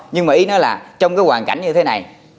nhưng mà nghĩ nó là trong cái hoàn cảnh như thế này